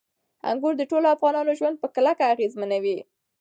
انګور د ټولو افغانانو ژوند په کلکه اغېزمنوي.